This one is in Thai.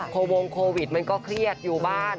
วงโควิดมันก็เครียดอยู่บ้าน